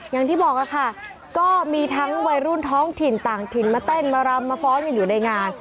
อย่างที่บอกค่ะก็มีทั้งวัยรุ่นท้องถิ่นต่างถิ่นมาเต้นมารำมาฟ้อนกันอยู่ในงาน